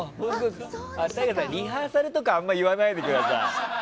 ＴＡＩＧＡさんリハーサルとかあんまり言わないでください。